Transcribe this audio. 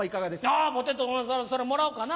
あポテトそれもらおうかな。